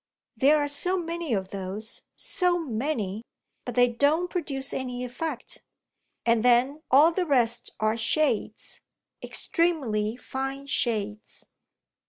There are so many of those, so many, but they don't produce any effect. And then all the rest are shades extremely fine shades."